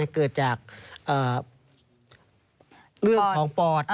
เกิดจากเรื่องของปอด